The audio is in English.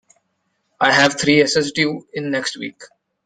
I have three essays due in the next week.